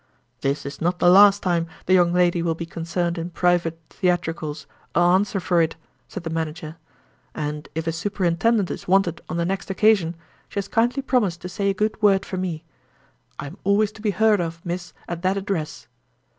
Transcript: "This is not the last time the young lady will be concerned in private theatricals, I'll answer for it," said the manager. "And if a superintendent is wanted on the next occasion, she has kindly promised to say a good word for me. I am always to be heard of, miss, at that address."